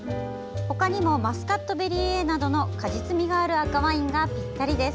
ほかにもマスカット・ベリーＡなどの果実味がある赤ワインがぴったりです。